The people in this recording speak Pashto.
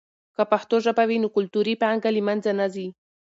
که پښتو ژبه وي، نو کلتوري پانګه له منځه نه ځي.